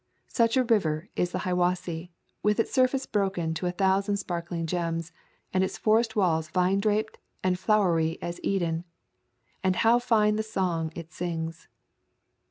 Such a river is the Hi wassee, with its surface broken to a thousand sparkling gems, and its forest walls vine draped and flowery as Eden. And how fine the songs it sings!